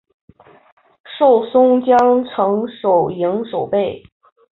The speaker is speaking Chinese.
授松江城守营守备。